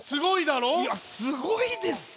いやすごいですか？